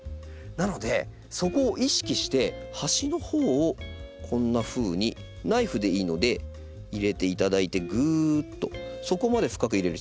なのでそこを意識して端のほうをこんなふうにナイフでいいので入れていただいてぐっとそこまで深く入れる必要ありません。